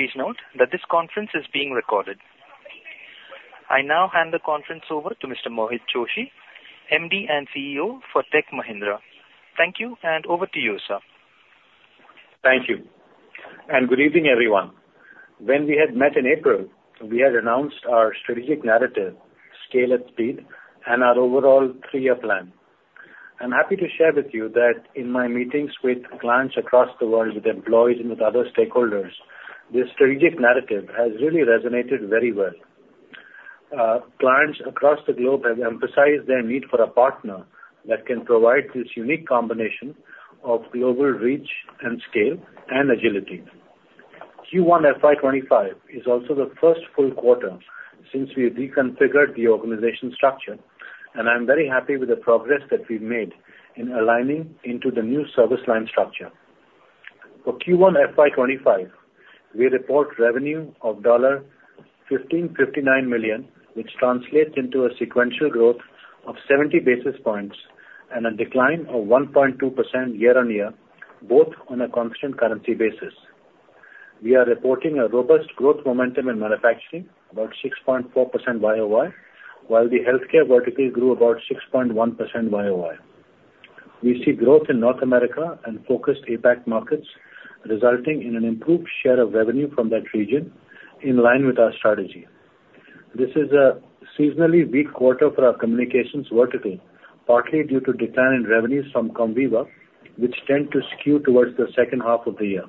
Please note that this conference is being recorded. I now hand the conference over to Mr. Mohit Joshi, MD and CEO for Tech Mahindra. Thank you, and over to you, sir. Thank you, and good evening, everyone. When we had met in April, we had announced our strategic narrative, Scale at Speed, and our overall three-year plan. I'm happy to share with you that in my meetings with clients across the world, with employees and with other stakeholders, this strategic narrative has really resonated very well. Clients across the globe have emphasized their need for a partner that can provide this unique combination of global reach and scale and agility. Q1 FY 2025 is also the first full quarter since we reconfigured the organization structure, and I'm very happy with the progress that we've made in aligning into the new service line structure. For Q1 FY 2025, we report revenue of $1.559 billion, which translates into a sequential growth of 70 basis points and a decline of 1.2% year-on-year, both on a constant currency basis. We are reporting a robust growth momentum in manufacturing, about 6.4% YOY, while the healthcare vertical grew about 6.1% YOY. We see growth in North America and focused APAC markets, resulting in an improved share of revenue from that region in line with our strategy. This is a seasonally weak quarter for our communications vertical, partly due to decline in revenues from Comviva, which tend to skew towards the second half of the year.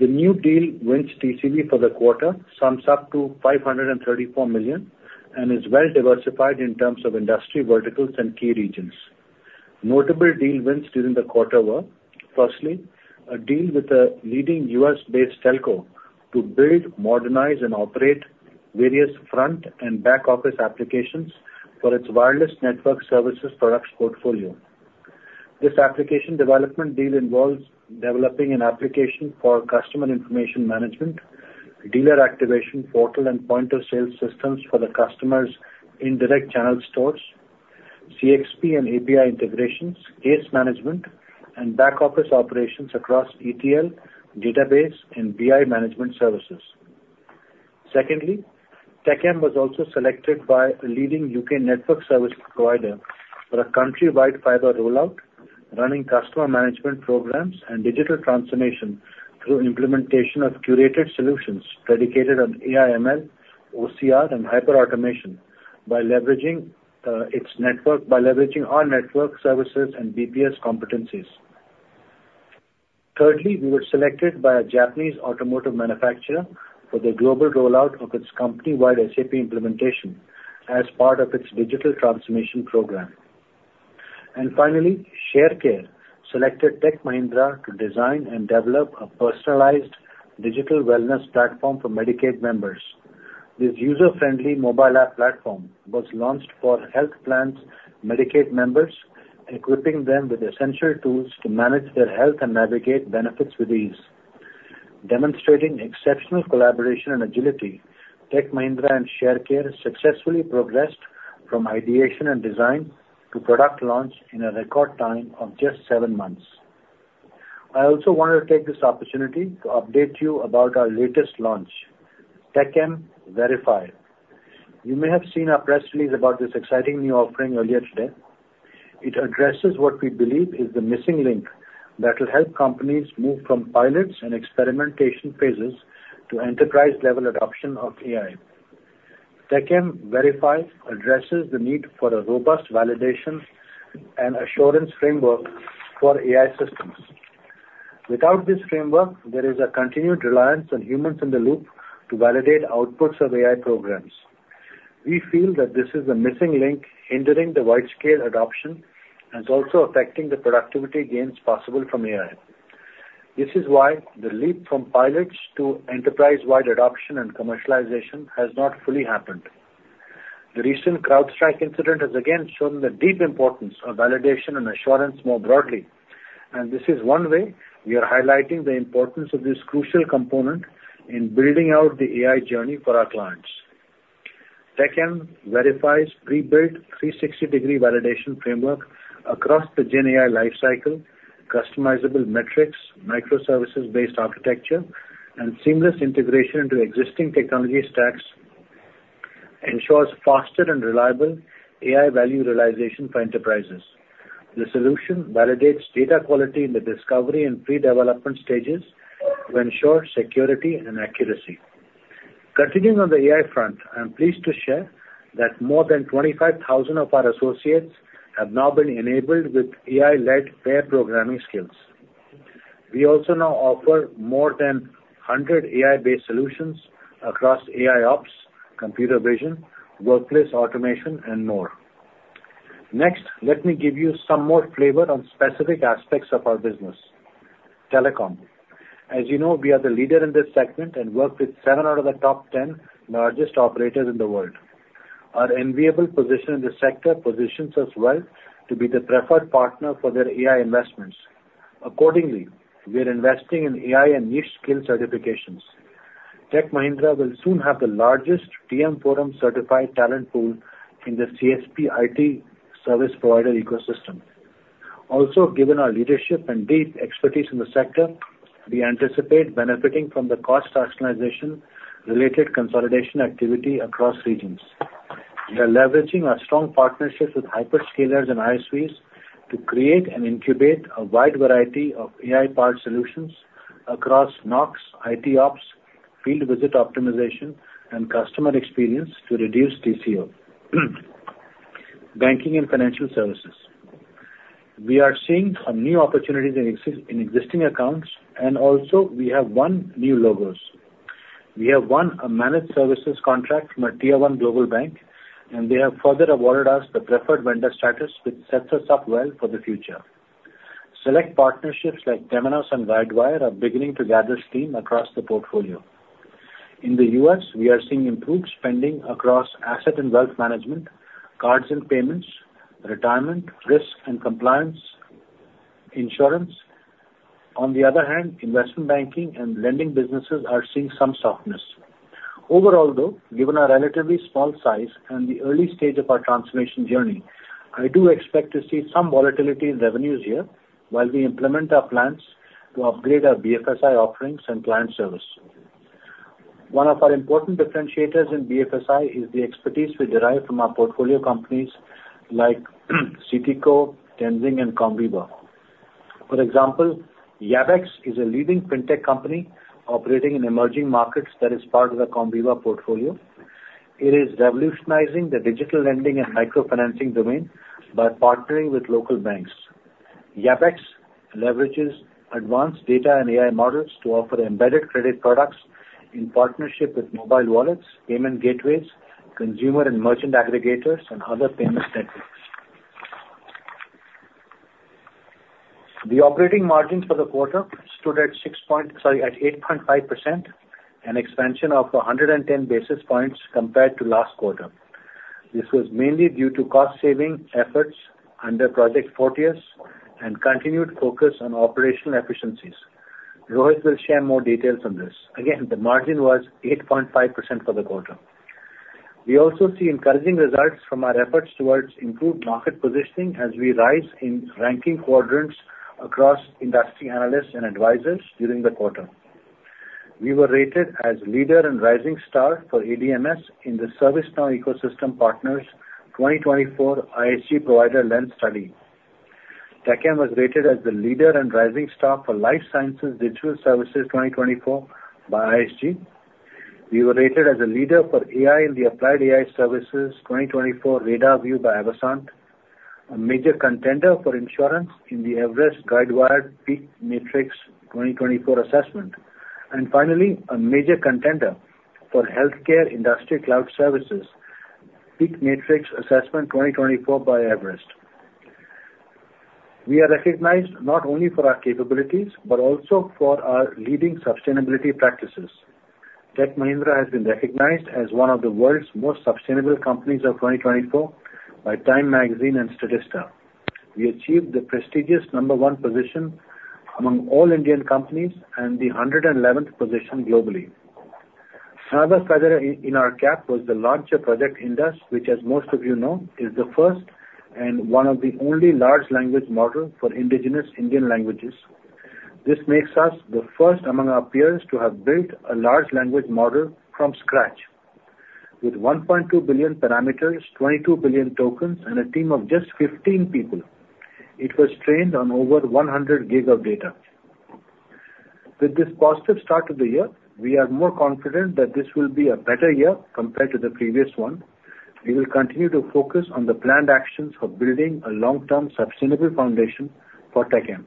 The new deal wins TCV for the quarter sums up to $534 million and is well diversified in terms of industry verticals and key regions. Notable deal wins during the quarter were: firstly, a deal with a leading U.S.-based telco to build, modernize, and operate various front and back-office applications for its wireless network services products portfolio. This application development deal involves developing an application for customer information management, dealer activation portal, and point-of-sale systems for the customers' indirect channel stores, CXP and API integrations, case management, and back-office operations across ETL, database, and BI management services. Secondly, TechM was also selected by a leading U.K. network service provider for a countrywide fiber rollout, running customer management programs and digital transformation through implementation of curated solutions predicated on AI, ML, OCR, and hyperautomation by leveraging our network services and BPS competencies. Thirdly, we were selected by a Japanese automotive manufacturer for the global rollout of its company-wide SAP implementation as part of its digital transformation program. And finally, Sharecare selected Tech Mahindra to design and develop a personalized digital wellness platform for Medicaid members. This user-friendly mobile app platform was launched for health plans, Medicaid members, equipping them with essential tools to manage their health and navigate benefits with ease. Demonstrating exceptional collaboration and agility, Tech Mahindra and Sharecare successfully progressed from ideation and design to product launch in a record time of just seven months. I also want to take this opportunity to update you about our latest launch, TechM VerifAI. You may have seen our press release about this exciting new offering earlier today. It addresses what we believe is the missing link that will help companies move from pilots and experimentation phases to enterprise-level adoption of AI. TechM VerifAI addresses the need for a robust validation and assurance framework for AI systems. Without this framework, there is a continued reliance on humans in the loop to validate outputs of AI programs. We feel that this is the missing link hindering the wide-scale adoption and is also affecting the productivity gains possible from AI. This is why the leap from pilots to enterprise-wide adoption and commercialization has not fully happened. The recent CrowdStrike incident has again shown the deep importance of validation and assurance more broadly, and this is one way we are highlighting the importance of this crucial component in building out the AI journey for our clients. TechM VerifAI's prebuilt 360-degree validation framework across the GenAI life cycle, customizable metrics, microservices-based architecture, and seamless integration into existing technology stacks ensures faster and reliable AI value realization for enterprises. The solution validates data quality in the discovery and pre-development stages to ensure security and accuracy. Continuing on the AI front, I am pleased to share that more than 25,000 of our associates have now been enabled with AI-led pair programming skills. We also now offer more than 100 AI-based solutions across AIOps, computer vision, workplace automation, and more. Next, let me give you some more flavor on specific aspects of our business. Telecom. As you know, we are the leader in this segment and work with 7 out of the top 10 largest operators in the world. Our enviable position in the sector positions us well to be the preferred partner for their AI investments. Accordingly, we are investing in AI and niche skill certifications. Tech Mahindra will soon have the largest TM Forum-certified talent pool in the CSP IT service provider ecosystem. Also, given our leadership and deep expertise in the sector, we anticipate benefiting from the cost rationalization-related consolidation activity across regions. We are leveraging our strong partnerships with hyperscalers and ISVs to create and incubate a wide variety of AI-powered solutions across NOCs, IT ops, field visit optimization, and customer experience to reduce TCO. Banking and financial services. We are seeing some new opportunities in existing accounts, and also we have won new logos. We have won a managed services contract from a Tier 1 global bank, and they have further awarded us the preferred vendor status, which sets us up well for the future. Select partnerships like Temenos and Guidewire are beginning to gather steam across the portfolio. In the U.S., we are seeing improved spending across asset and wealth management, cards and payments, retirement, risk and compliance, insurance. On the other hand, investment banking and lending businesses are seeing some softness. Overall, though, given our relatively small size and the early stage of our transformation journey, I do expect to see some volatility in revenues here while we implement our plans to upgrade our BFSI offerings and client service. One of our important differentiators in BFSI is the expertise we derive from our portfolio companies like CTCo, Tenzing and Comviva. For example, Yabx is a leading fintech company operating in emerging markets that is part of the Comviva portfolio. It is revolutionizing the digital lending and microfinancing domain by partnering with local banks. Yabx leverages advanced data and AI models to offer embedded credit products in partnership with mobile wallets, payment gateways, consumer and merchant aggregators, and other payment techniques. The operating margins for the quarter stood at 8.5%, an expansion of 110 basis points compared to last quarter. This was mainly due to cost saving efforts under Project Fortius and continued focus on operational efficiencies. Rohit will share more details on this. Again, the margin was 8.5% for the quarter. We also see encouraging results from our efforts towards improved market positioning as we rise in ranking quadrants across industry analysts and advisors during the quarter. We were rated as leader and rising star for ADMS in the ServiceNow Ecosystem Partners 2024 ISG Provider Lens study. Tech Mahindra was rated as the leader and rising star for Life Sciences Digital Services 2024 by ISG. We were rated as a leader for AI in the Applied AI Services 2024 Radar View by Avasant, a major contender for insurance in the Everest Guidewire PEAK Matrix 2024 assessment, and finally, a major contender for healthcare industry cloud services, PEAK Matrix Assessment 2024 by Everest. We are recognized not only for our capabilities, but also for our leading sustainability practices. Tech Mahindra has been recognized as one of the world's most sustainable companies of 2024 by Time Magazine and Statista. We achieved the prestigious No. 1 position among all Indian companies and the 111th position globally. Another feather in our cap was the launch of Project Indus, which, as most of you know, is the first and one of the only large language model for indigenous Indian languages. This makes us the first among our peers to have built a large language model from scratch. With 1.2 billion parameters, 22 billion tokens, and a team of just 15 people, it was trained on over 100 giga data. With this positive start to the year, we are more confident that this will be a better year compared to the previous one. We will continue to focus on the planned actions for building a long-term, sustainable foundation for Tech M.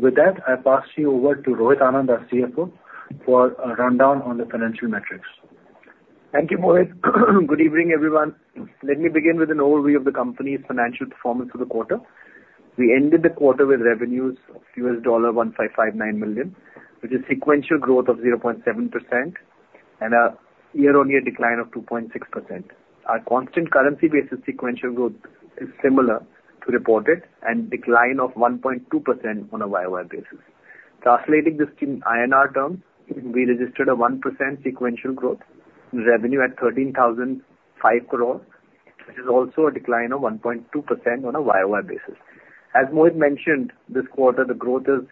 With that, I pass you over to Rohit Anand, our CFO, for a rundown on the financial metrics. Thank you, Mohit. Good evening, everyone. Let me begin with an overview of the company's financial performance for the quarter. We ended the quarter with revenues of $1.559 billion, which is sequential growth of 0.7% and a year-on-year decline of 2.6%. Our constant currency basis sequential growth is similar to reported and decline of 1.2% on a YOY basis. Translating this in INR terms, we registered a 1% sequential growth in revenue at [13,005 crore], which is also a decline of 1.2% on a YOY basis. As Mohit mentioned, this quarter the growth is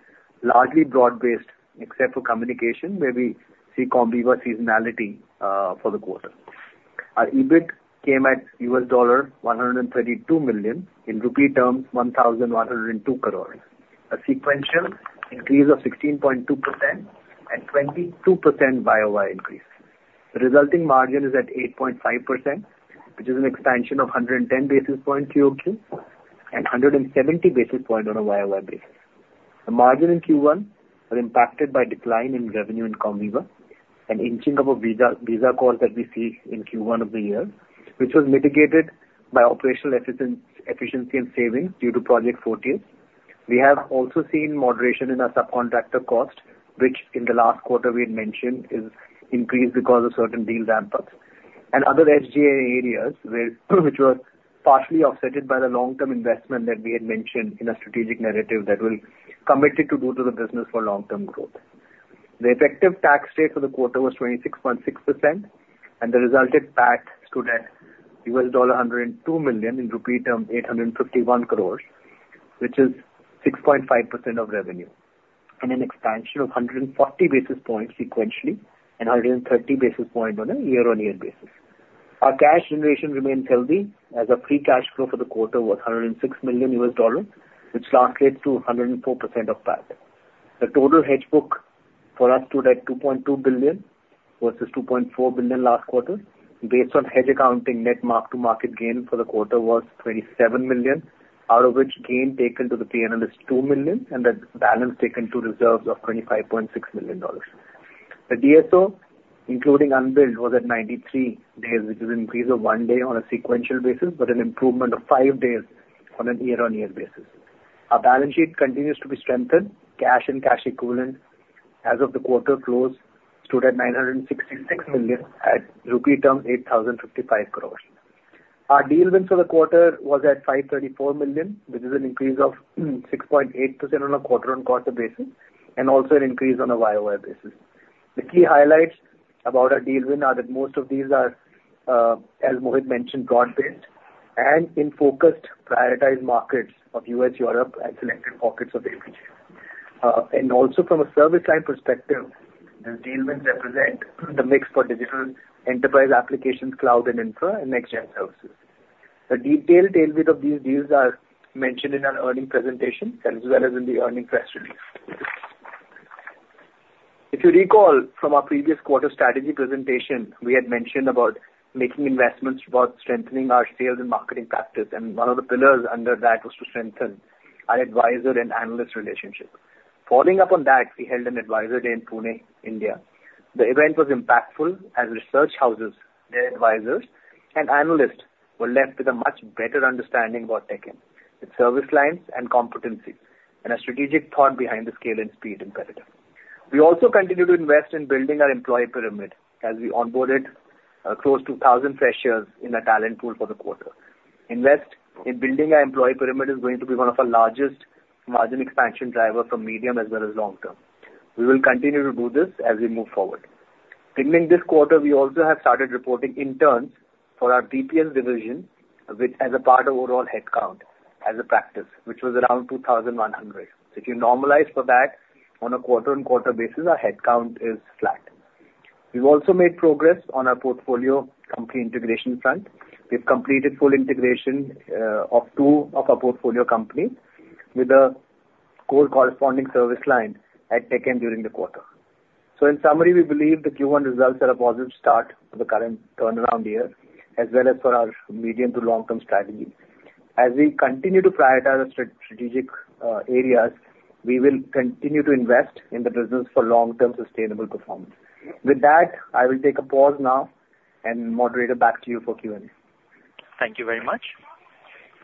largely broad-based, except for communication, where we see Comviva seasonality, for the quarter. Our EBIT came at $132 million, in rupee terms, 1,102 crore, a sequential increase of 16.2% and 22% YOY increase. The resulting margin is at 8.5%, which is an expansion of 110 basis points QOQ and 170 basis points on a YOY basis. The margin in Q1 is impacted by decline in revenue in Comviva, an inching up of visa costs that we see in Q1 of the year, which was mitigated by operational efficiency and savings due to Project Fortius. We have also seen moderation in our subcontractor cost, which in the last quarter we had mentioned is increased because of certain deals ramp-ups. and other SG&A areas, which were partially offset by the long-term investment that we had mentioned in our strategic narrative that we're committed to do to the business for long-term growth. The effective tax rate for the quarter was 26.6%, and the resulted PAT stood at $102 million, in rupee terms, 851 crore, which is 6.5% of revenue, and an expansion of 140 basis points sequentially, and a 130 basis point on a year-on-year basis. Our cash generation remains healthy, as our free cash flow for the quarter was $106 million, which translated to 104% of PAT. The total hedge book for us stood at $2.2 billion, versus $2.4 billion last quarter. Based on hedge accounting, net mark-to-market gain for the quarter was $27 million, out of which gain taken to the PNL is $2 million, and the balance taken to reserves of $25.6 million. The DSO, including unbilled, was at 93 days, which is an increase of 1 day on a sequential basis, but an improvement of 5 days on a year-on-year basis. Our balance sheet continues to be strengthened. Cash and cash equivalent as of the quarter close, stood at $966 million, in rupee terms, 8,055 crore. Our deal wins for the quarter was at $534 million, which is an increase of 6.8% on a quarter-on-quarter basis, and also an increase on a YOY basis. The key highlights about our deal win are that most of these are, as Mohit mentioned, broad-based and in focused prioritized markets of U.S., Europe, and selected pockets of APJ. And also from a service line perspective, the deal wins represent the mix for digital enterprise applications, cloud and infra, and next gen services. The detailed details of these deals are mentioned in our earnings presentation, as well as in the earnings press release. If you recall, from our previous quarter strategy presentation, we had mentioned about making investments towards strengthening our sales and marketing practice, and one of the pillars under that was to strengthen our advisor and analyst relationship. Following up on that, we held an advisor day in Pune, India. The event was impactful, as research houses, their advisors and analysts were left with a much better understanding about Tech Mahindra, its service lines and competencies, and a strategic thought behind the scale and speed imperative. We also continue to invest in building our employee pyramid, as we onboarded close to 1,000 freshers in our talent pool for the quarter. Invest in building our employee pyramid is going to be one of our largest margin expansion driver for medium as well as long-term. We will continue to do this as we move forward. Beginning this quarter, we also have started reporting interns for our BPS division, which, as a part of overall headcount, as a practice, which was around 2,100. If you normalize for that on a quarter-on-quarter basis, our headcount is flat. We've also made progress on our portfolio company integration front. We've completed full integration of two of our portfolio company with a core corresponding service line at Tech Mahindra during the quarter. So in summary, we believe the Q1 results are a positive start for the current turnaround year, as well as for our medium to long-term strategy. As we continue to prioritize our strategic areas, we will continue to invest in the business for long-term sustainable performance. With that, I will take a pause now, and moderator, back to you for Q&A. Thank you very much.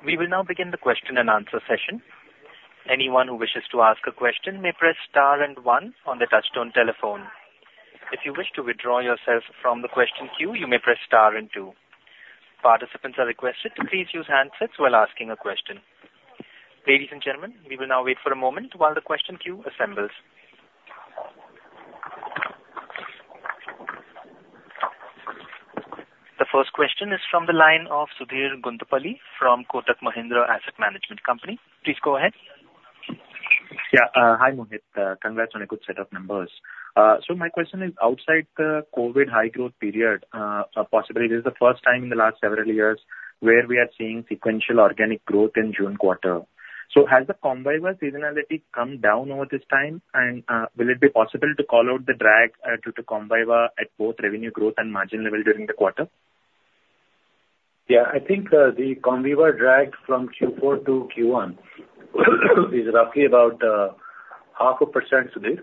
We will now begin the question-and-answer session. Anyone who wishes to ask a question may press star and one on the touchtone telephone. If you wish to withdraw yourself from the question queue, you may press star and two. Participants are requested to please use handsets while asking a question. Ladies and gentlemen, we will now wait for a moment while the question queue assembles. The first question is from the line of Sudheer Guntupalli from Kotak Mahindra Asset Management Company. Please go ahead. Yeah, hi, Mohit. Congrats on a good set of numbers. So my question is outside the COVID high growth period, possibly this is the first time in the last several years where we are seeing sequential organic growth in June quarter. So has the Comviva seasonality come down over this time? And, will it be possible to call out the drag, due to Comviva at both revenue growth and margin level during the quarter? Yeah, I think, the Comviva drag from Q4 to Q1 is roughly about half a percent, Sudheer.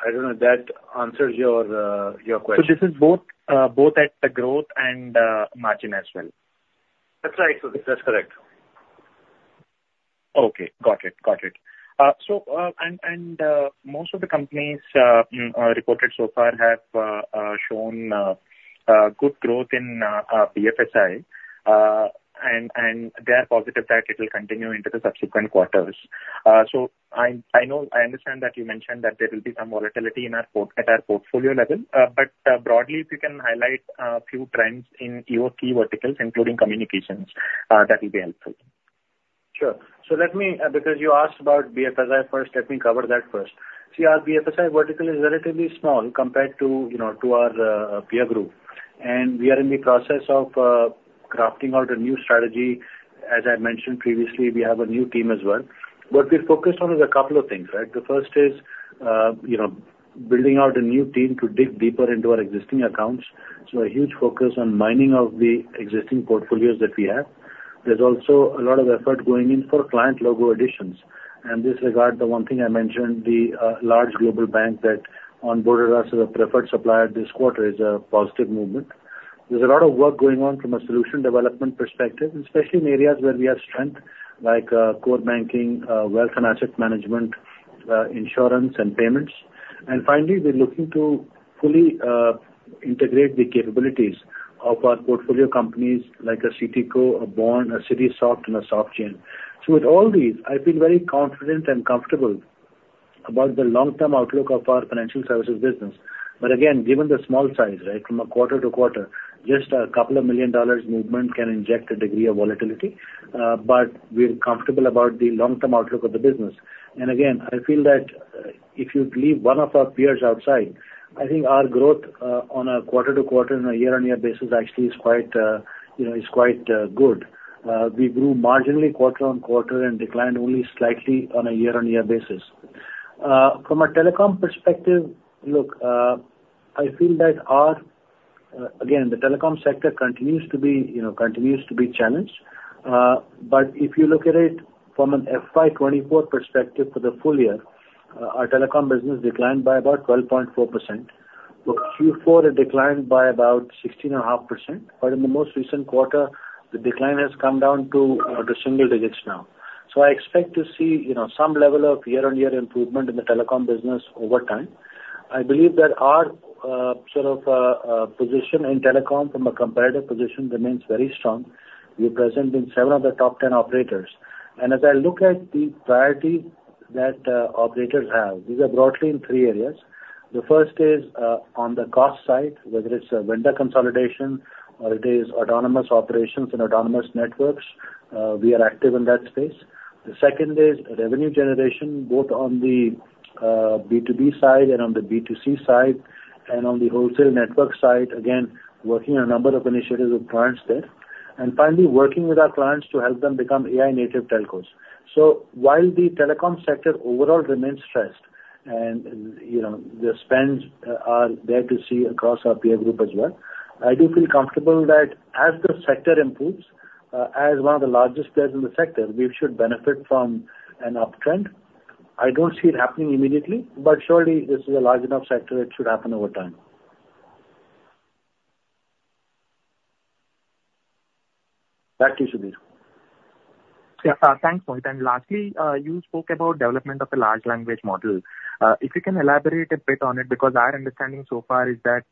I don't know if that answers your, your question. So this is both at the growth and margin as well? That's right, Sudheer. That's correct. Okay, got it. Got it. So, and, most of the companies reported so far have shown good growth in BFSI. And they are positive that it will continue into the subsequent quarters. So, I understand that you mentioned that there will be some volatility in our portfolio at our portfolio level, but broadly, if you can highlight a few trends in your key verticals, including communications, that will be helpful. Sure. So let me, because you asked about BFSI first, let me cover that first. See, our BFSI vertical is relatively small compared to, you know, to our, peer group, and we are in the process of, crafting out a new strategy. As I mentioned previously, we have a new team as well. What we're focused on is a couple of things, right? The first is, you know, building out a new team to dig deeper into our existing accounts. So a huge focus on mining of the existing portfolios that we have. There's also a lot of effort going in for client logo additions. In this regard, the one thing I mentioned, the, large global bank that onboarded us as a preferred supplier this quarter, is a positive movement. There's a lot of work going on from a solution development perspective, especially in areas where we have strength, like, core banking, wealth and asset management, insurance and payments. And finally, we are looking to fully integrate the capabilities of our portfolio companies like CTCo, BORN, Citisoft, and SOFGEN. So with all these, I feel very confident and comfortable about the long-term outlook of our financial services business. But again, given the small size, right, from a quarter-to-quarter, just a couple of million dollars movement can inject a degree of volatility, but we are comfortable about the long-term outlook of the business. And again, I feel that, if you leave one of our peers outside, I think our growth, on a quarter-to-quarter and a year-on-year basis actually is quite, you know, is quite good. We grew marginally quarter-on-quarter and declined only slightly on a year-on-year basis. From a telecom perspective, look, I feel that our. Again, the telecom sector continues to be challenged. But if you look at it from an FY 2024 perspective for the full year, our telecom business declined by about 12.4%. So Q4, it declined by about 16.5%, but in the most recent quarter, the decline has come down to the single digits now. So I expect to see, you know, some level of year-on-year improvement in the telecom business over time. I believe that our sort of position in telecom from a competitive position remains very strong. We are present in several of the top 10 operators. And as I look at the priority that operators have, these are broadly in three areas. The first is on the cost side, whether it's a vendor consolidation or it is autonomous operations and autonomous networks, we are active in that space. The second is revenue generation, both on the B2B side and on the B2C side, and on the wholesale network side, again, working on a number of initiatives with clients there. And finally, working with our clients to help them become AI-native telcos. So while the telecom sector overall remains stressed, and, you know, the spends are there to see across our peer group as well, I do feel comfortable that as the sector improves, as one of the largest players in the sector, we should benefit from an uptrend. I don't see it happening immediately, but surely this is a large enough sector, it should happen over time. Back to you, Sudheer. Yeah, thanks, Mohit. And lastly, you spoke about development of a large language model. If you can elaborate a bit on it, because our understanding so far is that,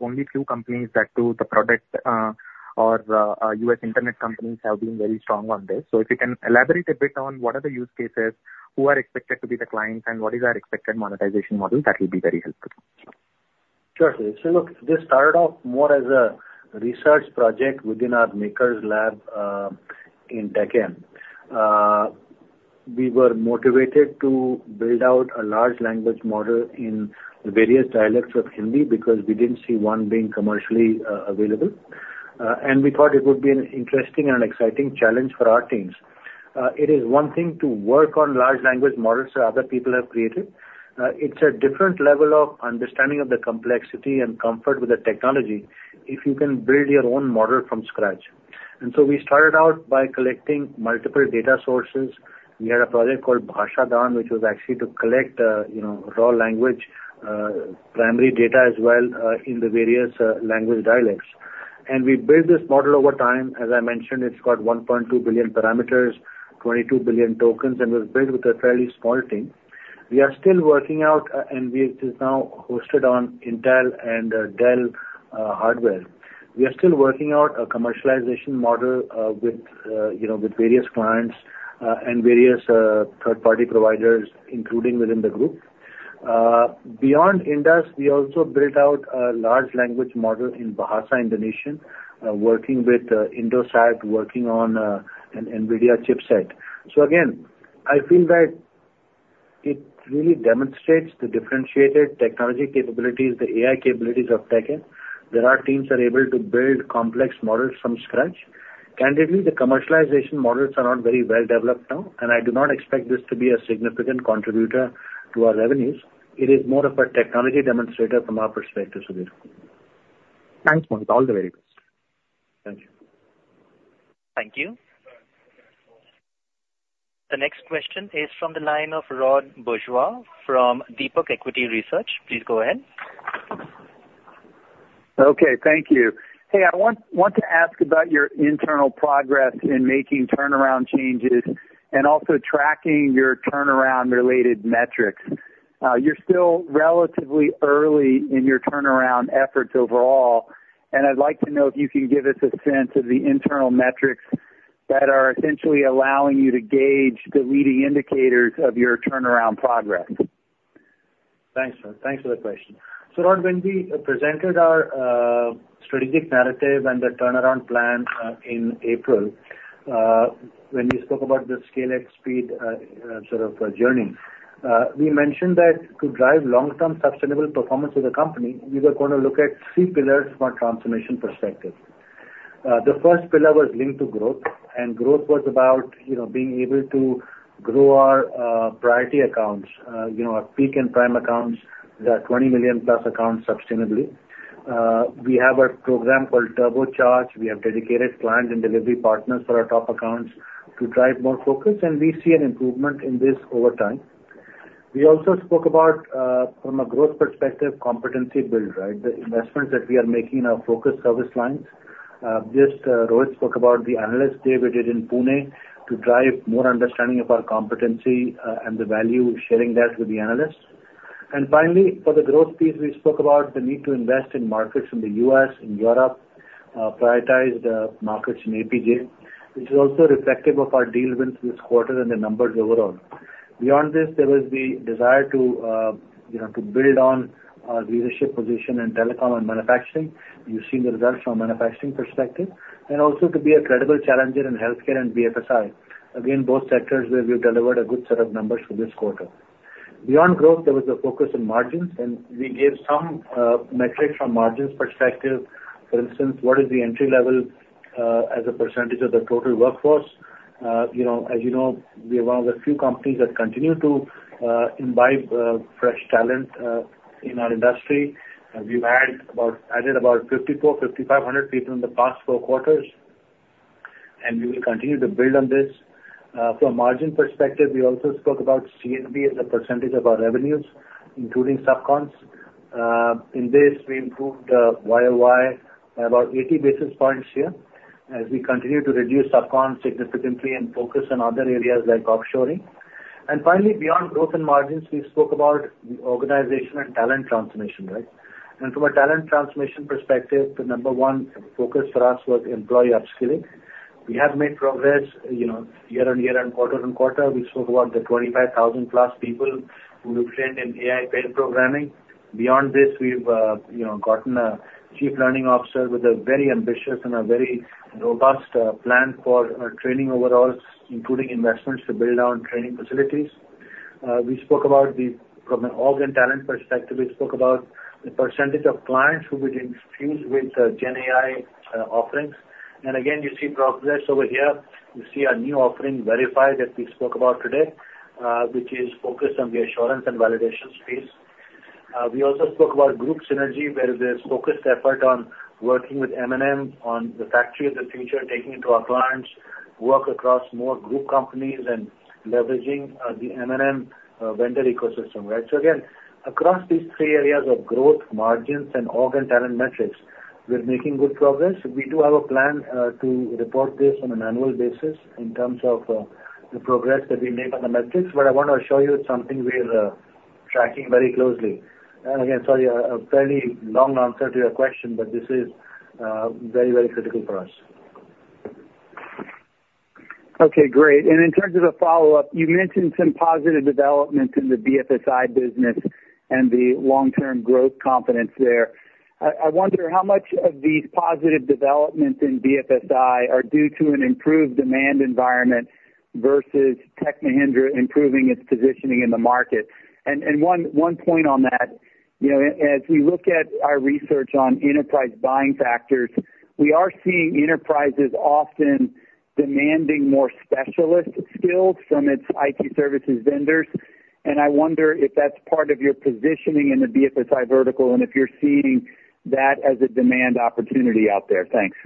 only few companies that do the product, or, U.S. internet companies have been very strong on this. So if you can elaborate a bit on what are the use cases, who are expected to be the clients, and what is our expected monetization model, that will be very helpful. Sure thing. So look, this started off more as a research project within our Makers Lab in Tech M. We were motivated to build out a large language model in various dialects of Hindi because we didn't see one being commercially available, and we thought it would be an interesting and exciting challenge for our teams. It is one thing to work on large language models that other people have created. It's a different level of understanding of the complexity and comfort with the technology if you can build your own model from scratch. And so we started out by collecting multiple data sources. We had a project called Bhashadan, which was actually to collect, you know, raw language primary data as well, in the various language dialects. And we built this model over time. As I mentioned, it's got 1.2 billion parameters, 22 billion tokens, and was built with a fairly small team. We are still working out, and this is now hosted on Intel and Dell hardware. We are still working out a commercialization model, with you know, with various clients, and various third-party providers, including within the group. Beyond Indus, we also built out a large language model in Bahasa Indonesian, working with Indosat, working on an NVIDIA chipset. So again, I feel that it really demonstrates the differentiated technology capabilities, the AI capabilities of Tech M, where our teams are able to build complex models from scratch. Candidly, the commercialization models are not very well developed now, and I do not expect this to be a significant contributor to our revenues. It is more of a technology demonstrator from our perspective, Sudheer. Thanks, Mohit. All the very best. Thank you. Thank you. The next question is from the line of Rod Bourgeois from DeepDive Equity Research. Please go ahead. Okay, thank you. Hey, I want to ask about your internal progress in making turnaround changes and also tracking your turnaround-related metrics. You're still relatively early in your turnaround efforts overall, and I'd like to know if you can give us a sense of the internal metrics that are essentially allowing you to gauge the leading indicators of your turnaround progress. Thanks, Rod. Thanks for the question. So, Rod, when we presented our strategic narrative and the turnaround plan in April, when we spoke about the Scale at Speed sort of journey, we mentioned that to drive long-term sustainable performance of the company, we were gonna look at three pillars from a transformation perspective. The first pillar was linked to growth, and growth was about, you know, being able to grow our priority accounts, you know, our peak and prime accounts, the 20+ million accounts sustainably. We have a program called Turbocharge. We have dedicated client and delivery partners for our top accounts to drive more focus, and we see an improvement in this over time. We also spoke about, from a growth perspective, competency build, right? The investments that we are making in our focus service lines. Just, Rohit spoke about the analyst day we did in Pune to drive more understanding of our competency, and the value of sharing that with the analysts. And finally, for the growth piece, we spoke about the need to invest in markets in the U.S., in Europe, prioritize the markets in APJ, which is also reflective of our deal wins this quarter and the numbers overall. Beyond this, there was the desire to, you know, to build on our leadership position in telecom and manufacturing. You've seen the results from a manufacturing perspective, and also to be a credible challenger in healthcare and BFSI. Again, both sectors where we've delivered a good set of numbers for this quarter. Beyond growth, there was a focus on margins, and we gave some metrics from margins perspective. For instance, what is the entry level as a percentage of the total workforce? You know, as you know, we are one of the few companies that continue to imbibe fresh talent in our industry. We've added about 5,400-5,500 people in the past four quarters, and we will continue to build on this. From a margin perspective, we also spoke about C&B as a percentage of our revenues, including sub cons. In this, we improved YOY by about 80 basis points here as we continue to reduce sub cons significantly and focus on other areas like offshoring. And finally, beyond growth and margins, we spoke about the organization and talent transformation, right? And from a talent transformation perspective, the number one focus for us was employee upskilling. We have made progress, you know, year-on-year and quarter-on-quarter. We spoke about the 25,000+ people who we trained in AI pair programming. Beyond this, we've, you know, gotten a chief learning officer with a very ambitious and a very robust plan for overall training, including investments to build out training facilities. From an org and talent perspective, we spoke about the percentage of clients who we infused with GenAI offerings. And again, you see progress over here. You see our new offering, VerifAI, that we spoke about today, which is focused on the assurance and validation space. We also spoke about group synergy, where there's focused effort on working with M&M on the factory of the future, taking it to our clients, work across more group companies, and leveraging the M&M vendor ecosystem, right? So again, across these three areas of growth, margins, and org and talent metrics, we're making good progress. We do have a plan to report this on an annual basis in terms of the progress that we make on the metrics, but I want to show you it's something we're tracking very closely. And again, sorry, a fairly long answer to your question, but this is very, very critical for us. Okay, great. In terms of the follow-up, you mentioned some positive developments in the BFSI business and the long-term growth confidence there. I wonder how much of these positive developments in BFSI are due to an improved demand environment versus Tech Mahindra improving its positioning in the market? And one point on that, you know, as we look at our research on enterprise buying factors, we are seeing enterprises often demanding more specialist skills from its IT services vendors. And I wonder if that's part of your positioning in the BFSI vertical, and if you're seeing that as a demand opportunity out there. Thanks.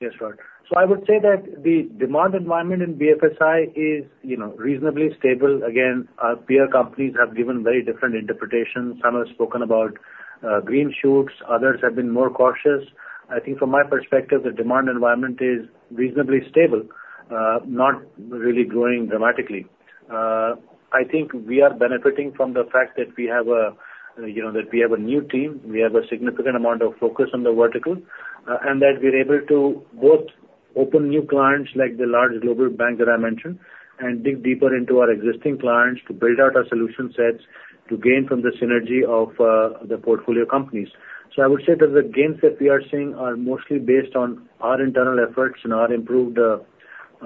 Yes, right. So I would say that the demand environment in BFSI is, you know, reasonably stable. Again, our peer companies have given very different interpretations. Some have spoken about green shoots, others have been more cautious. I think from my perspective, the demand environment is reasonably stable, not really growing dramatically. I think we are benefiting from the fact that we have a new team, we have a significant amount of focus on the vertical, and that we're able to both open new clients, like the large global bank that I mentioned, and dig deeper into our existing clients to build out our solution sets to gain from the synergy of the portfolio companies. So I would say that the gains that we are seeing are mostly based on our internal efforts and our improved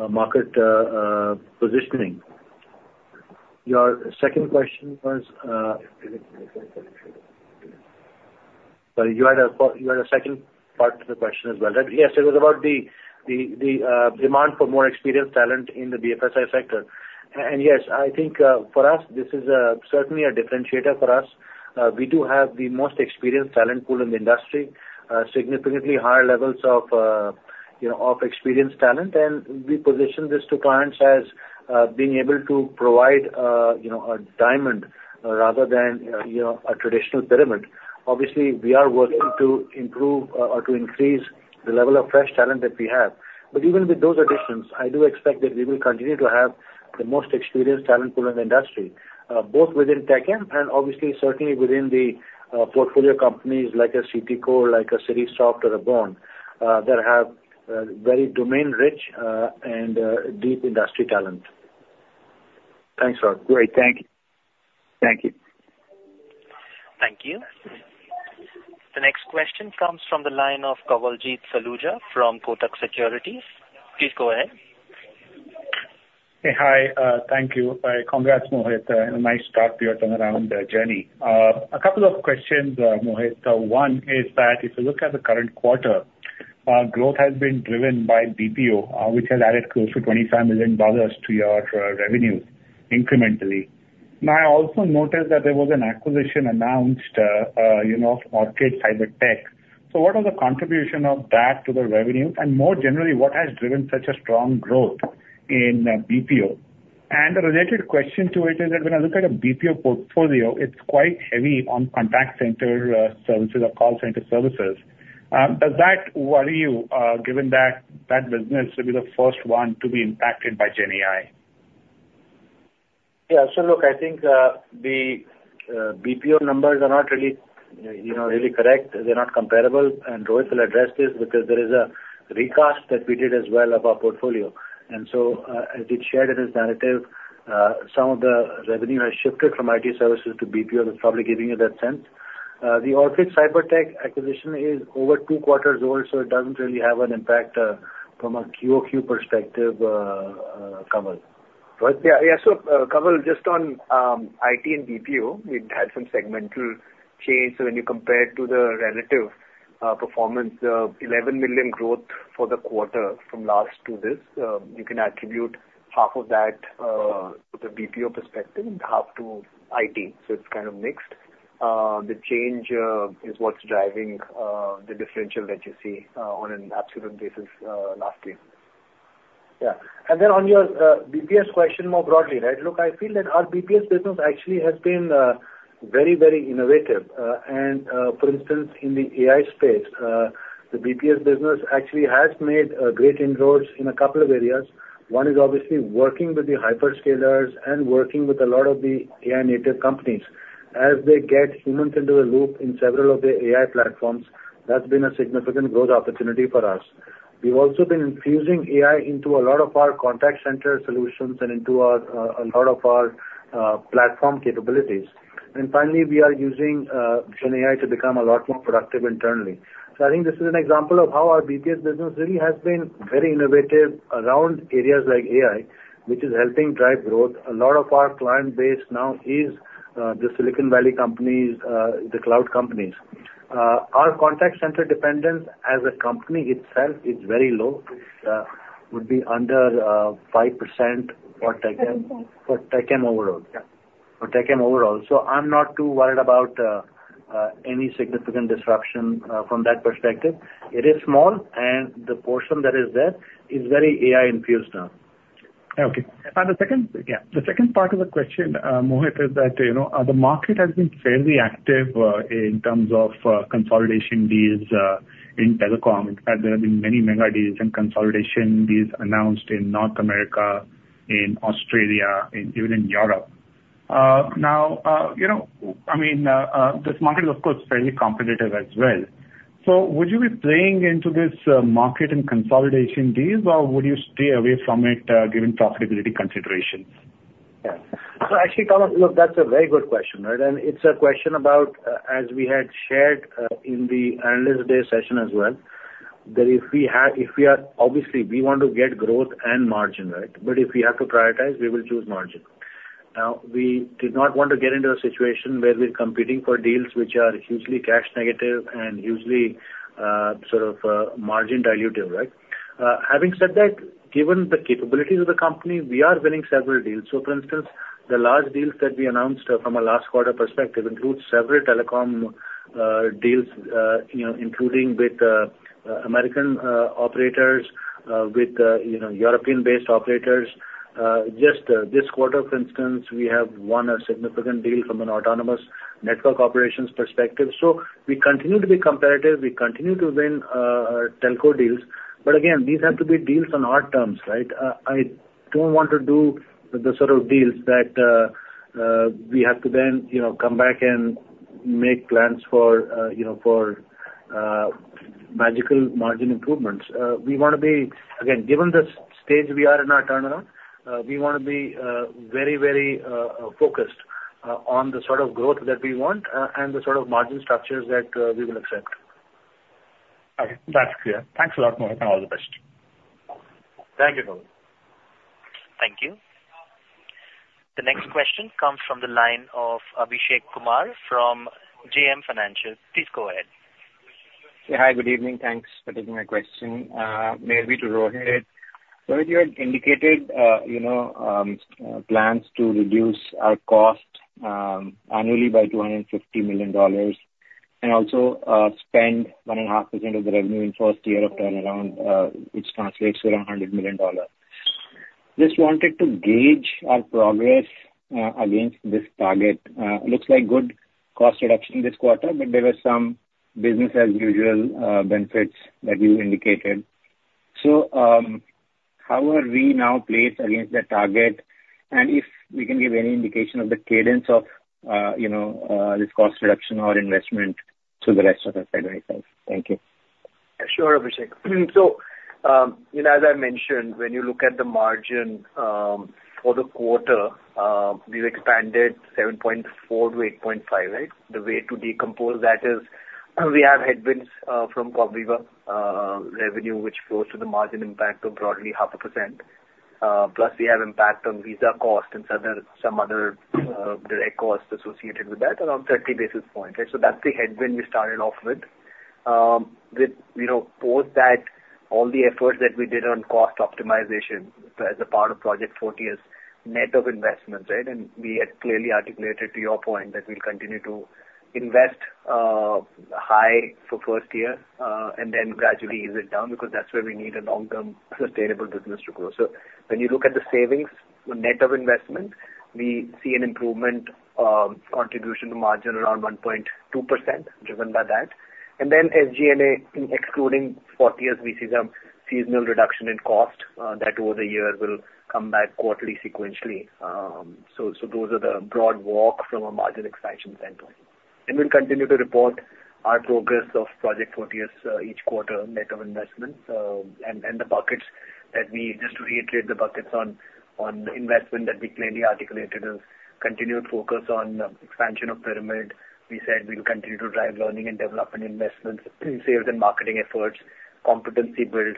market positioning. Your second question was, sorry, you had a second part to the question as well. Yes, it was about the demand for more experienced talent in the BFSI sector. And, yes, I think, for us, this is certainly a differentiator for us. We do have the most experienced talent pool in the industry, significantly higher levels of, you know, of experienced talent. And we position this to clients as being able to provide, you know, a diamond rather than, you know, a traditional pyramid. Obviously, we are working to improve or to increase the level of fresh talent that we have. But even with those additions, I do expect that we will continue to have the most experienced talent pool in the industry, both within Tech M and obviously, certainly within the portfolio companies like a CTCo, like a Citisoft, or a BORN Group, that have very domain-rich and deep industry talent. Thanks, Rob. Great. Thank you. Thank you. Thank you. The next question comes from the line of Kawaljeet Saluja from Kotak Securities. Please go ahead. Hey, hi, thank you. Congrats, Mohit. Nice start to your turnaround journey. A couple of questions, Mohit. One is that if you look at the current quarter, growth has been driven by BPO, which has added close to $25 million to your revenue incrementally. Now, I also noticed that there was an acquisition announced, you know, Orchid Cybertech. So what are the contribution of that to the revenue? And more generally, what has driven such a strong growth in BPO? And a related question to it is that when I look at a BPO portfolio, it's quite heavy on contact center services or call center services. Does that worry you, given that that business will be the first one to be impacted by GenAI? Yeah. So look, I think, the BPO numbers are not really, you know, really correct. They're not comparable, and Rohit will address this because there is a recast that we did as well of our portfolio. And so, as he shared in his narrative, some of the revenue has shifted from IT services to BPO. That's probably giving you that sense. The Orchid Cybertech acquisition is over two quarters old, so it doesn't really have an impact, from a quarter-over-quarter perspective, Kamal. Yeah, yeah. So, Kamal, just on IT and BPO, we've had some segmental change. So when you compare it to the relative performance, $11 million growth for the quarter from last to this, you can attribute half of that to the BPO perspective and half to IT. So it's kind of mixed. The change is what's driving the differential that you see on an absolute basis last year. Yeah. And then on your BPS question more broadly, right? Look, I feel that our BPS business actually has been very, very innovative. For instance, in the AI space, the BPS business actually has made great inroads in a couple of areas. One is obviously working with the hyperscalers and working with a lot of the AI native companies. As they get humans into the loop in several of the AI platforms, that's been a significant growth opportunity for us. We've also been infusing AI into a lot of our contact center solutions and into a lot of our platform capabilities. And finally, we are using GenAI to become a lot more productive internally. So I think this is an example of how our BPS business really has been very innovative around areas like AI, which is helping drive growth. A lot of our client base now is, the Silicon Valley companies, the cloud companies. Our contact center dependence as a company itself is very low, would be under, 5% for Tech M overall. Yeah. For Tech M overall. So I'm not too worried about, any significant disruption, from that perspective. It is small, and the portion that is there is very AI-infused now. Okay. And the second, yeah, the second part of the question, Mohit, is that, you know, the market has been fairly active, in terms of, consolidation deals, in telecom. There have been many mega deals and consolidation deals announced in North America, in Australia, and even in Europe. Now, you know, I mean, this market is of course, fairly competitive as well. So would you be playing into this, market and consolidation deals, or would you stay away from it, given profitability considerations? Yeah. So actually, Kamal, look, that's a very good question, right? And it's a question about, as we had shared, in the analyst day session as well, that if we have obviously we want to get growth and margin, right? But if we have to prioritize, we will choose margin. Now, we did not want to get into a situation where we're competing for deals which are hugely cash negative and hugely sort of margin dilutive, right? Having said that, given the capabilities of the company, we are winning several deals. So for instance, the large deals that we announced from a last quarter perspective includes several telecom deals, you know, including with American operators, with you know European-based operators. Just this quarter, for instance, we have won a significant deal from an autonomous network operations perspective. So we continue to be competitive, we continue to win telco deals, but again, these have to be deals on our terms, right? I don't want to do the sort of deals that we have to then, you know, come back and make plans for, you know, for magical margin improvements. Again, given the stage we are in our turnaround, we wanna be very, very focused on the sort of growth that we want and the sort of margin structures that we will accept. Okay, that's clear. Thanks a lot, Mohit, and all the best. Thank you, Kamal. Thank you. The next question comes from the line of Abhishek Kumar from JM Financial. Please go ahead. Yeah. Hi, good evening. Thanks for taking my question. Maybe to Rohit. Rohit, you had indicated, you know, plans to reduce our cost annually by $250 million, and also, spend 1.5% of the revenue in first year of turnaround, which translates to around $100 million. Just wanted to gauge our progress against this target. Looks like good cost reduction this quarter, but there were some business-as-usual benefits that you indicated. So, how are we now placed against that target? And if we can give any indication of the cadence of, you know, this cost reduction or investment to the rest of the fiscal year. Thank you. Sure, Abhishek. So, you know, as I mentioned, when you look at the margin, for the quarter, we've expanded 7.4% to 8.5%, right? The way to decompose that is, we have headwinds, from Comviva, revenue, which flows to the margin impact of broadly 0.5%. Plus we have impact on visa costs and some other direct costs associated with that, around 30 basis points. So that's the headwind we started off with. With, you know, post that, all the efforts that we did on cost optimization as a part of Project Fortius, net of investments, right? And we had clearly articulated to your point that we'll continue to invest, high for first year, and then gradually ease it down, because that's where we need a long-term sustainable business to grow. So when you look at the savings net of investment, we see an improvement, contribution to margin around 1.2% driven by that. And then SG&A, excluding Fortius, we see some seasonal reduction in cost, that over the years will come back quarterly, sequentially. Those are the broad walk from a margin expansion standpoint. And we'll continue to report our progress of Project Fortius each quarter net of investments, and the buckets that we just to reiterate the buckets on the investment that we clearly articulated is continued focus on expansion of pyramid. We said we'll continue to drive learning and development investments, sales and marketing efforts, competency build,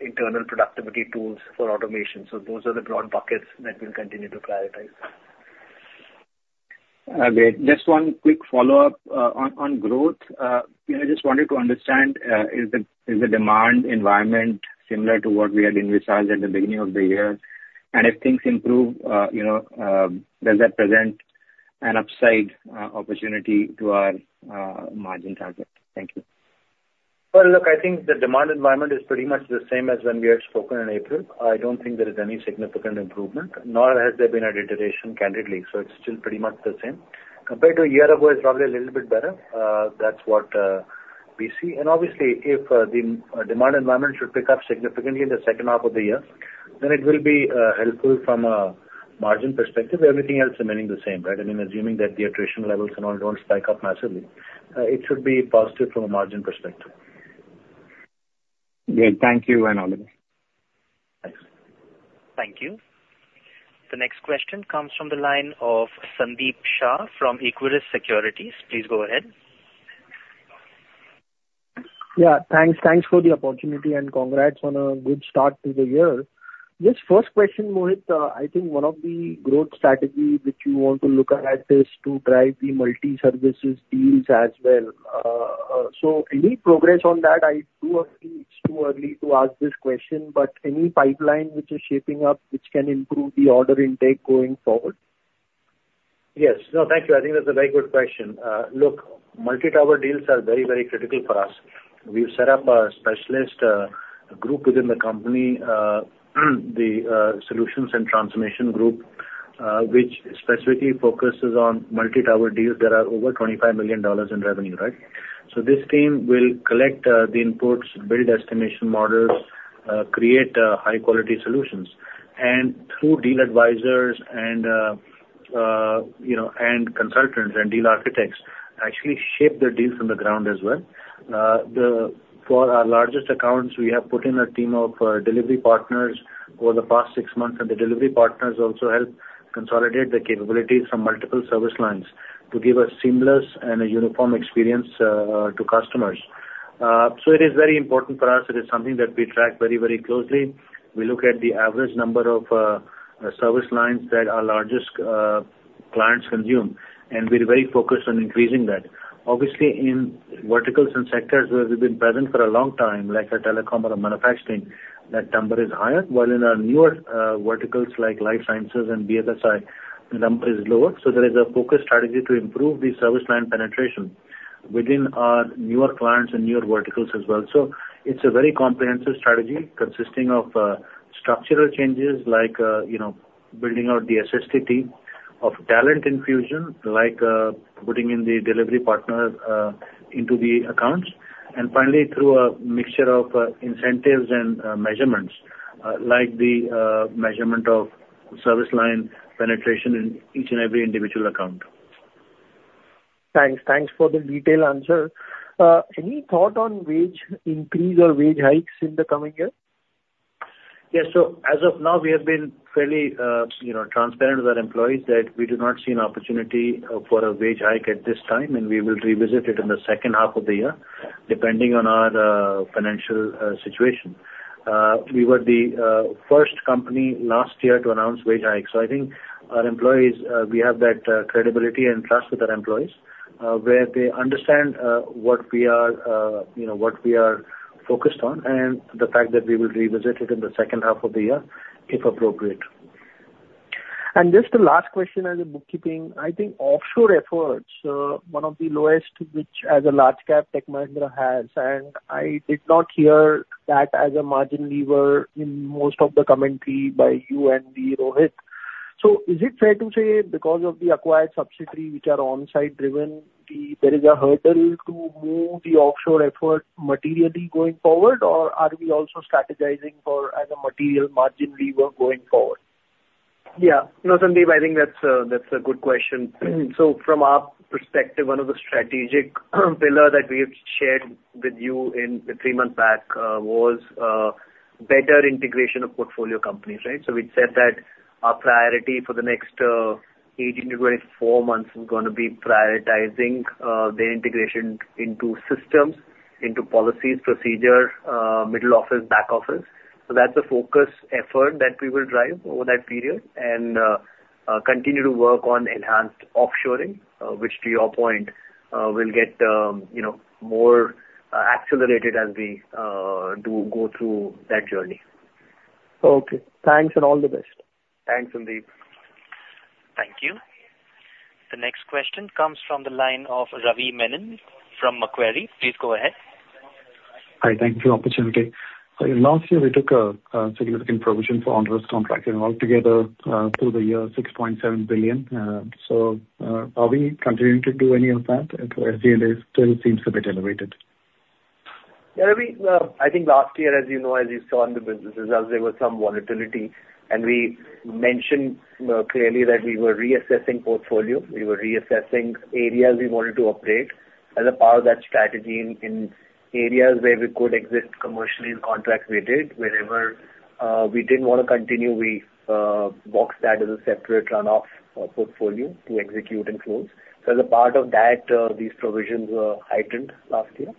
internal productivity tools for automation. So those are the broad buckets that we'll continue to prioritize. Great. Just one quick follow-up, on, on growth. You know, I just wanted to understand, is the, is the demand environment similar to what we had envisaged at the beginning of the year? And if things improve, you know, does that present an upside opportunity to our margin target? Thank you. Well, look, I think the demand environment is pretty much the same as when we had spoken in April. I don't think there is any significant improvement, nor has there been a deterioration, candidly, so it's still pretty much the same. Compared to a year ago, it's probably a little bit better. That's what we see. And obviously, if the demand environment should pick up significantly in the second half of the year, then it will be helpful from a margin perspective, everything else remaining the same, right? I mean, assuming that the attrition levels and all don't spike up massively, it should be positive from a margin perspective. Great. Thank you and all the best. Thanks. Thank you. The next question comes from the line of Sandeep Shah from Equirus Securities. Please go ahead. Yeah, thanks. Thanks for the opportunity, and congrats on a good start to the year. Just first question, Mohit. I think one of the growth strategy which you want to look at is to drive the multi-services deals as well. So any progress on that? It's too early to ask this question, but any pipeline which is shaping up, which can improve the order intake going forward? Yes. No, thank you. I think that's a very good question. Look, multi-tower deals are very, very critical for us. We've set up a specialist group within the company, the solutions and transformation group, which specifically focuses on multi-tower deals that are over $25 million in revenue, right? So this team will collect the inputs, build estimation models, create high-quality solutions, and through deal advisors and, you know, and consultants and deal architects, actually shape the deals from the ground as well. For our largest accounts, we have put in a team of delivery partners over the past six months, and the delivery partners also help consolidate the capabilities from multiple service lines to give a seamless and a uniform experience to customers. So it is very important for us. It is something that we track very, very closely. We look at the average number of service lines that our largest clients consume, and we're very focused on increasing that. Obviously, in verticals and sectors where we've been present for a long time, like a telecom or a manufacturing, that number is higher, while in our newer verticals like life sciences and BFSI, the number is lower. So there is a focused strategy to improve the service line penetration within our newer clients and newer verticals as well. So it's a very comprehensive strategy consisting of, structural changes like, you know, building out the SST team, of talent infusion, like, putting in the delivery partner, into the accounts, and finally, through a mixture of, incentives and, measurements, like the, measurement of service line penetration in each and every individual account. Thanks. Thanks for the detailed answer. Any thought on wage increase or wage hikes in the coming year? Yes. So as of now, we have been fairly, you know, transparent with our employees that we do not see an opportunity, for a wage hike at this time, and we will revisit it in the second half of the year, depending on our, financial, situation. We were the, first company last year to announce wage hikes, so I think our employees, we have that, credibility and trust with our employees, where they understand, what we are, you know, what we are focused on and the fact that we will revisit it in the second half of the year, if appropriate. Just a last question as a bookkeeping. I think offshore efforts are one of the lowest, which as a large cap, Tech Mahindra has, and I did not hear that as a margin lever in most of the commentary by you and the Rohit. So is it fair to say because of the acquired subsidiary which are onsite driven, there is a hurdle to move the offshore effort materially going forward, or are we also strategizing for as a material margin lever going forward? Yeah. No, Sandeep, I think that's a, that's a good question. So from our perspective, one of the strategic pillar that we have shared with you in, three months back, was, better integration of portfolio companies, right? So we'd said that our priority for the next, 18-24 months is gonna be prioritizing, the integration into systems, into policies, procedures, middle office, back office. So that's a focus effort that we will drive over that period and, continue to work on enhanced offshoring, which to your point, will get, you know, more, accelerated as we, do go through that journey. Okay. Thanks and all the best. Thanks, Sandeep. Thank you. The next question comes from the line of Ravi Menon from Macquarie. Please go ahead. Hi. Thank you for the opportunity. In last year, we took a significant provision for onerous contract and altogether through the year, 6.7 billion. Are we continuing to do any of that? It still seems a bit elevated. Yeah, I think last year, as you know, as you saw in the business results, there was some volatility, and we mentioned clearly that we were reassessing portfolio. We were reassessing areas we wanted to update. As a part of that strategy, in areas where we could exist commercially in contracts, we did. Wherever we didn't wanna continue, we boxed that as a separate runoff portfolio to execute and close. So as a part of that, these provisions were heightened last year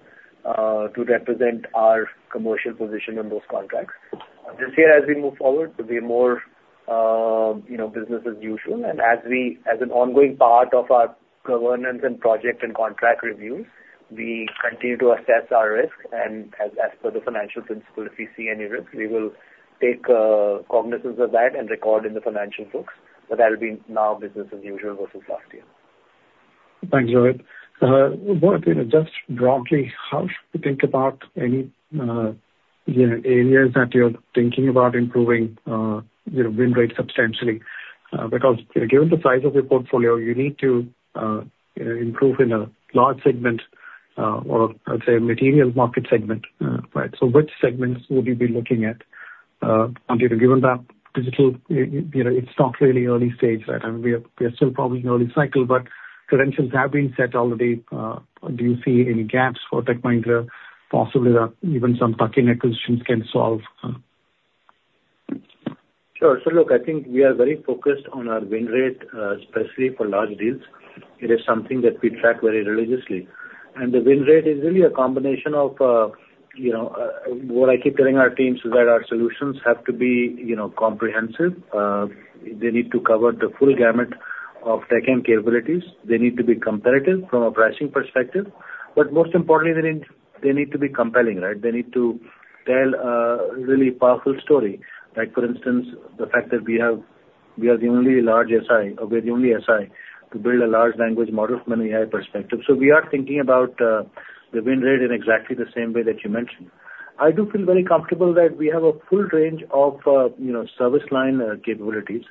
to represent our commercial position on those contracts. This year, as we move forward, to be more, you know, business as usual, and as an ongoing part of our governance and project and contract reviews, we continue to assess our risk, and as per the financial principle, if we see any risk, we will take cognizance of that and record in the financial books, but that'll be now business as usual versus last year. Thanks, Rohit. What, you know, just broadly, how should we think about any, you know, areas that you're thinking about improving, you know, win rate substantially? Because, you know, given the size of your portfolio, you need to improve in a large segment, or I'll say, a material market segment, right? So which segments would you be looking at, and, you know, given that digital, you know, it's still clearly early stage, right? I mean, we are, we are still probably in early cycle, but credentials have been set already. Do you see any gaps for Tech Mahindra, possibly that even some tuck-in acquisitions can solve? Sure. So look, I think we are very focused on our win rate, especially for large deals. It is something that we track very religiously. And the win rate is really a combination of, you know... What I keep telling our teams is that our solutions have to be, you know, comprehensive. They need to cover the full gamut of tech and capabilities. They need to be competitive from a pricing perspective. But most importantly, they need, they need to be compelling, right? They need to tell a really powerful story. Like, for instance, the fact that we have, we are the only large SI, or we're the only SI, to build a large language model from an AI perspective. So we are thinking about the win rate in exactly the same way that you mentioned. I do feel very comfortable that we have a full range of, you know, service line capabilities.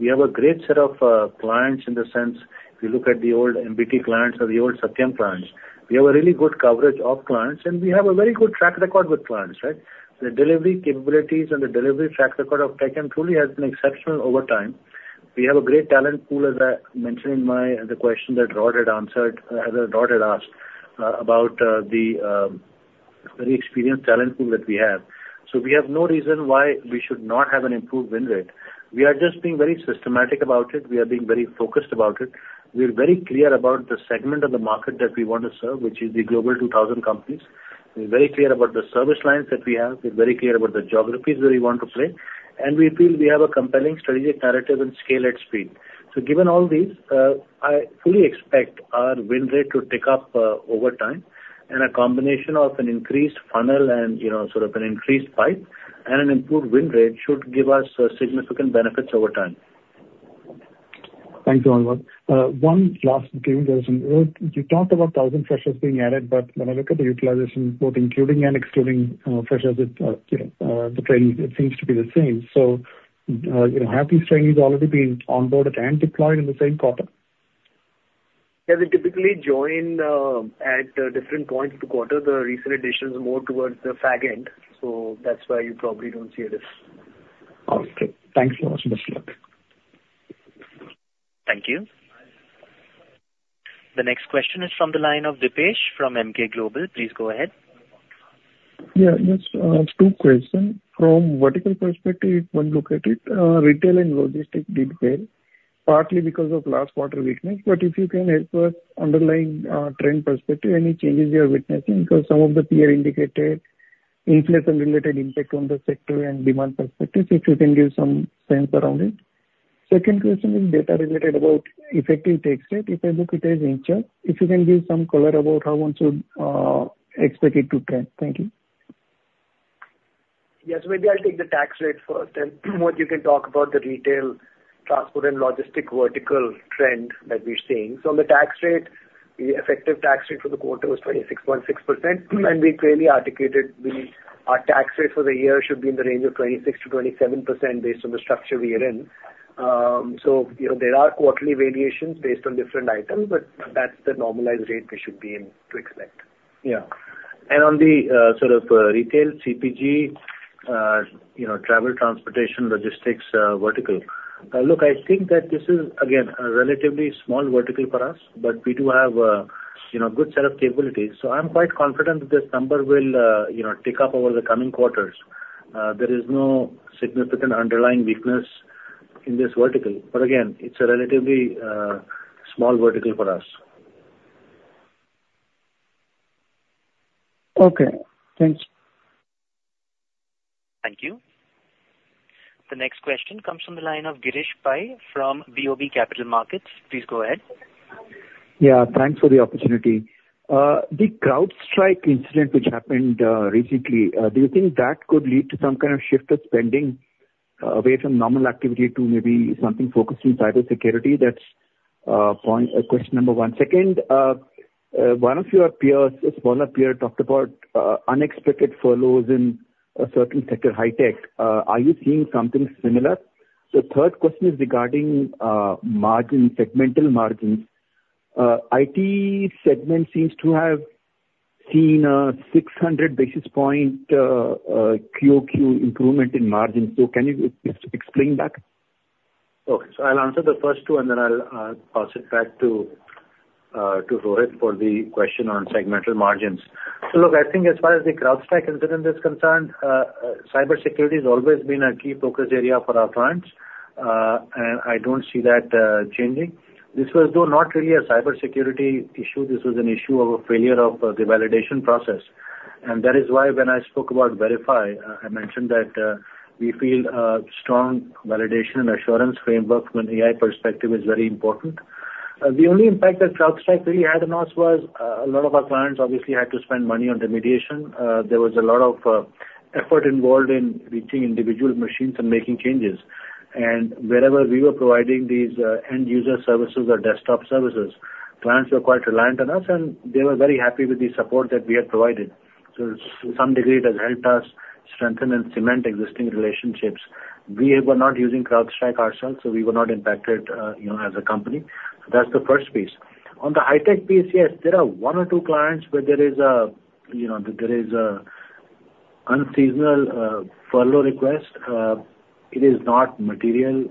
We have a great set of clients in the sense, if you look at the old MBT clients or the old Satyam clients, we have a really good coverage of clients, and we have a very good track record with clients, right? The delivery capabilities and the delivery track record of Tech Mahindra has truly been exceptional over time. We have a great talent pool, as I mentioned in my, the question that Rod had answered, that Rod had asked, about, the, very experienced talent pool that we have. So we have no reason why we should not have an improved win rate. We are just being very systematic about it. We are being very focused about it. We are very clear about the segment of the market that we want to serve, which is the Global 2000 companies. We're very clear about the service lines that we have. We're very clear about the geographies where we want to play, and we feel we have a compelling strategic narrative and scale and speed. So given all these, I fully expect our win rate to tick up, over time, and a combination of an increased funnel and, you know, sort of an increased pipe and an improved win rate should give us, significant benefits over time. Thank you very much. One last thing. You talked about 1,000 freshers being added, but when I look at the utilization, both including and excluding, freshers with, you know, the trainees, it seems to be the same. So, you know, have these trainees already been onboarded and deployed in the same quarter? Yeah, they typically join, at different points of the quarter. The recent additions are more towards the back end, so that's why you probably don't see a difference. Okay. Thanks so much. Best of luck. Thank you. The next question is from the line of Dipesh from Emkay Global Financial Services. Please go ahead. Yeah, just, two questions. From vertical perspective, when look at it, retail and logistics did well, partly because of last quarter weakness. But if you can help us underlying, trend perspective, any changes you are witnessing? Because some of the peer indicated inflation-related impact on the sector and demand perspectives, if you can give some sense around it. Second question is data related about effective tax rate. If I look, it is in chart. If you can give some color about how one should, expect it to trend. Thank you. Yes, maybe I'll take the tax rate first, and, Mohit, you can talk about the retail, transport, and logistics vertical trend that we're seeing. So on the tax rate, the effective tax rate for the quarter was 26.6%, and we clearly articulated the, our tax rate for the year should be in the range of 26%-27% based on the structure we are in. So, you know, there are quarterly variations based on different items, but that's the normalized rate we should be in, to expect. Yeah.And on the sort of retail, CPG, you know, travel, transportation, logistics vertical, look, I think that this is, again, a relatively small vertical for us, but we do have, you know, a good set of capabilities, so I'm quite confident that this number will, you know, tick up over the coming quarters. There is no significant underlying weakness in this vertical, but again, it's a relatively small vertical for us. Okay, thanks. Thank you. The next question comes from the line of Girish Pai from BoB Capital Markets. Please go ahead. Yeah, thanks for the opportunity. The CrowdStrike incident, which happened recently, do you think that could lead to some kind of shift of spending away from normal activity to maybe something focused in cybersecurity? That's point question number one. Second, one of your peers, a smaller peer, talked about unexpected furloughs in a certain sector, high tech. Are you seeing something similar? The third question is regarding margin, segmental margins. IT segment seems to have seen a 600 basis point QOQ improvement in margins. So can you explain that? Okay. So I'll answer the first two, and then I'll pass it back to Rohit for the question on segmental margins. So look, I think as far as the CrowdStrike incident is concerned, cybersecurity has always been a key focus area for our clients, and I don't see that changing. This was, though, not really a cybersecurity issue. This was an issue of a failure of the validation process, and that is why when I spoke about VerifAI, I mentioned that we feel a strong validation and assurance framework from an AI perspective is very important. The only impact that CrowdStrike really had on us was a lot of our clients obviously had to spend money on remediation. There was a lot of effort involved in reaching individual machines and making changes. And wherever we were providing these, end-user services or desktop services, clients were quite reliant on us, and they were very happy with the support that we had provided. So to some degree, it has helped us strengthen and cement existing relationships. We were not using CrowdStrike ourselves, so we were not impacted, you know, as a company. That's the first piece. On the high tech piece, yes, there are one or two clients where there is a, you know, there is a unseasonal furlough request. It is not material,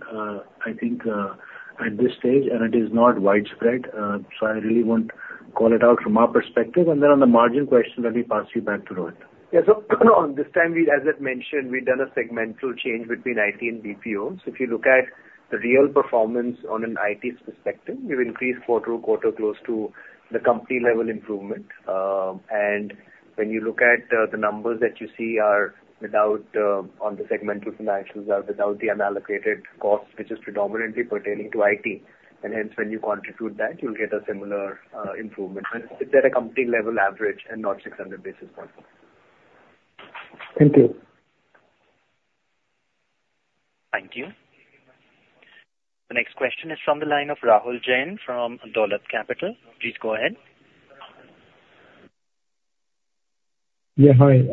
I think, at this stage, and it is not widespread, so I really won't call it out from our perspective. And then on the margin question, let me pass you back to Rohit. Yeah, so at this time, we, as I've mentioned, we've done a segmental change between IT and BPO. So if you look at the real performance on an IT perspective, we've increased quarter-to-quarter close to the company-level improvement. And when you look at the numbers that you see are without. On the segmental financials are without the unallocated cost, which is predominantly pertaining to IT, and hence, when you constitute that, you'll get a similar improvement. It's at a company-level average and not 600 basis points. Thank you. Thank you. The next question is from the line of Rahul Jain from Dolat Capital. Please go ahead. Yeah, hi.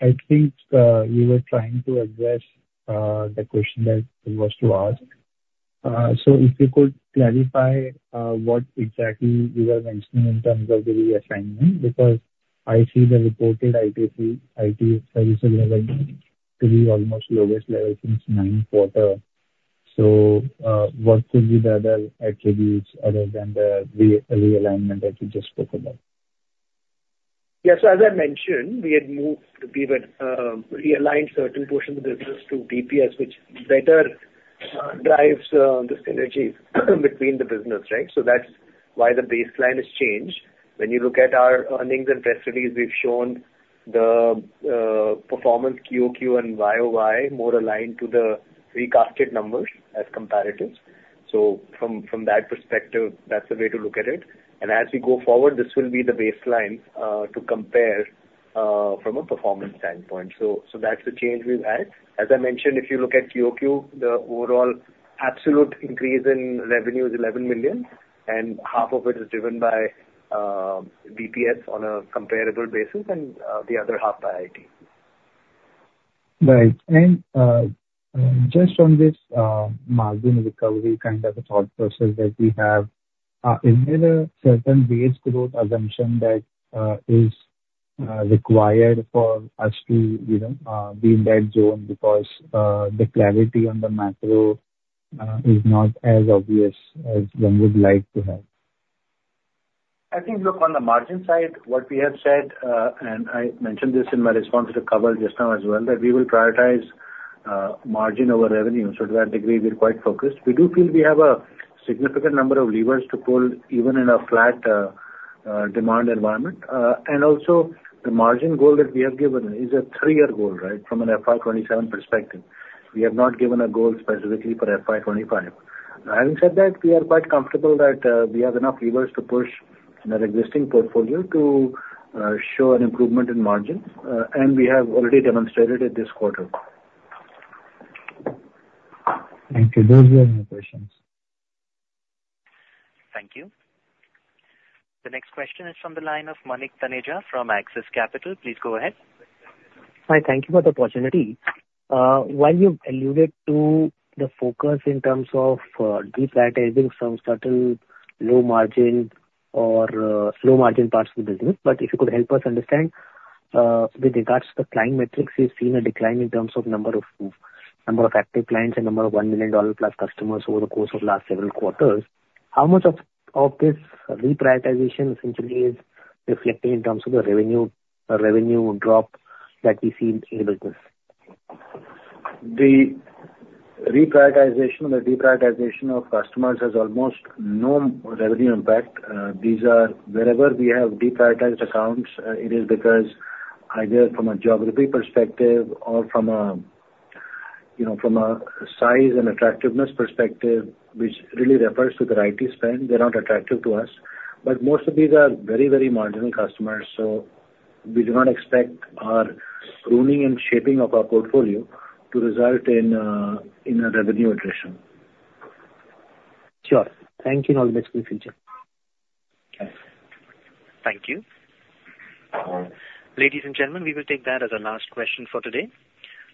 I think you were trying to address the question that he was to ask. So if you could clarify what exactly you are mentioning in terms of the reassignment, because I see the reported IT Services revenue to be almost lowest level since ninth quarter. So, what could be the other attributes other than the realignment that you just spoke about? Yeah, so as I mentioned, we had realigned certain portion of the business to BPS, which better drives the synergies between the business, right? So that's why the baseline has changed. When you look at our earnings and estimates, we've shown the performance QOQ and YOY more aligned to the forecasted numbers as comparatives. So from that perspective, that's the way to look at it. And as we go forward, this will be the baseline to compare from a performance standpoint. So, so that's the change we've had. As I mentioned, if you look at QOQ, the overall absolute increase in revenue is $11 million, and half of it is driven by BPS on a comparable basis, and the other half by IT. Right. And, just on this, margin recovery, kind of a thought process that we have, is there a certain base growth assumption that is required for us to, you know, be in that zone? Because, the clarity on the macro, is not as obvious as one would like to have. I think, look, on the margin side, what we have said, and I mentioned this in my response to Kawaljeet just now as well, that we will prioritize, margin over revenue. So to that degree, we're quite focused. We do feel we have a significant number of levers to pull, even in a flat, demand environment. And also, the margin goal that we have given is a three-year goal, right? From an FY 2027 perspective. We have not given a goal specifically for FY 2025. Having said that, we are quite comfortable that, we have enough levers to push in our existing portfolio to, show an improvement in margins, and we have already demonstrated it this quarter. Thank you. Those were my questions. Thank you. The next question is from the line of Manik Taneja from Axis Capital. Please go ahead. Hi, thank you for the opportunity. While you've alluded to the focus in terms of deprioritizing some certain low margin or slow margin parts of the business, but if you could help us understand with regards to the client metrics, we've seen a decline in terms of number of active clients and number of $1+ million customers over the course of the last several quarters. How much of this reprioritization essentially is reflecting in terms of the revenue drop that we see in the business? The reprioritization or the deprioritization of customers has almost no revenue impact. Wherever we have deprioritized accounts, it is because either from a geography perspective or from a, you know, from a size and attractiveness perspective, which really refers to their IT spend, they're not attractive to us. But most of these are very, very marginal customers, so we do not expect our pruning and shaping of our portfolio to result in, in a revenue attrition. Sure. Thank you, and I'll get to you soon. Thanks. Thank you. Ladies and gentlemen, we will take that as our last question for today.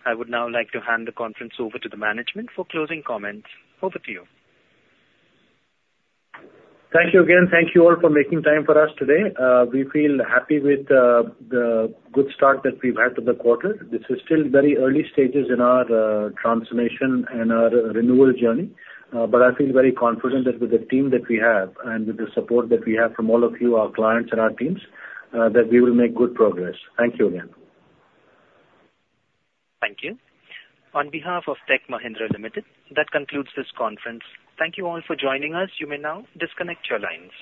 I would now like to hand the conference over to the management for closing comments. Over to you. Thank you again. Thank you all for making time for us today. We feel happy with the good start that we've had to the quarter. This is still very early stages in our transformation and our renewal journey, but I feel very confident that with the team that we have and with the support that we have from all of you, our clients and our teams, that we will make good progress. Thank you again. Thank you. On behalf of Tech Mahindra Limited, that concludes this conference. Thank you all for joining us. You may now disconnect your lines.